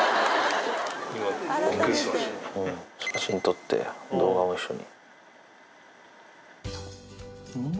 写真撮って動画も一緒に。